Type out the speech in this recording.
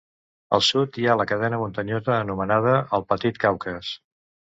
Al sud hi ha la cadena muntanyosa anomenada el Petit Caucas.